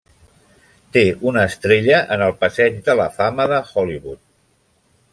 Té una estrella en el Passeig de la Fama de Hollywood.